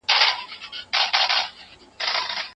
دروازې بې قلفه نه پرېښودل کېږي.